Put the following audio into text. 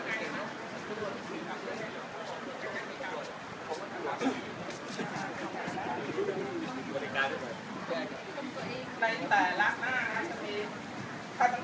เป็นเรื่องราวที่ต่อเลื่อง